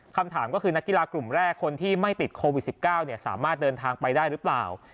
คำถามก็คือนักกีฬากลุ่มแรกคนที่ไม่ติดโควิด๑๙สามารถเดินทางไปได้หรือเปล่า